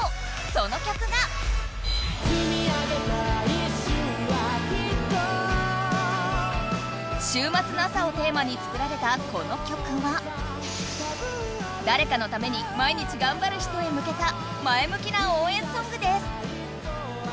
その曲が週末の朝をテーマに作られたこの曲は誰かのために毎日頑張る人に向けた、前向きな応援ソングです。